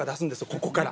ここから。